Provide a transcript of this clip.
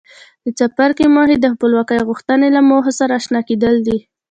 د څپرکي موخې د خپلواکۍ غوښتنې له موخو سره آشنا کېدل دي.